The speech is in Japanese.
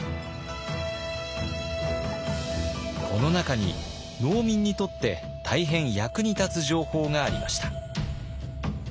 この中に農民にとって大変役に立つ情報がありました。